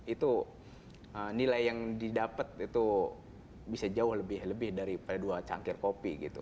itu nilai yang didapat itu bisa jauh lebih lebih daripada dua cangkir kopi gitu